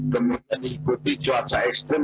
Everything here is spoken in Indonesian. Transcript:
kemudian ikuti cuaca ekstrem